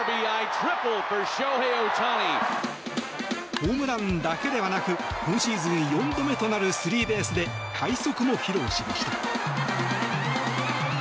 ホームランだけではなく今シーズン４度目となるスリーベースで快足も披露しました。